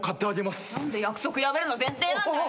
何で約束破るの前提なんだよ！？